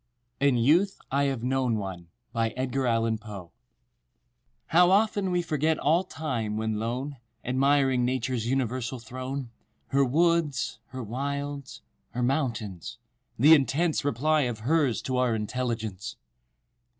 } "IN YOUTH I HAVE KNOWN ONE" _How often we forget all time, when lone Admiring Nature's universal throne; Her woods—her wilds—her mountains—the intense Reply of Hers to Our intelligence!